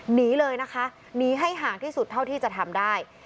หนีเลยนะคะหนีให้ห่างที่สุดเท่าที่จะทำได้